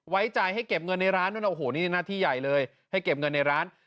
ไว้ใจให้เก็บเงินในร้านด้วยโอ้โหนี่หน้าที่ใหญ่เลยให้เก็บเงินในร้าน